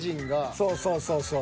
そうそうそうそう。